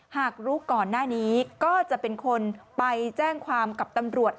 หากรู้ก่อนหน้านี้ก็จะเป็นคนไปแจ้งความกับตำรวจ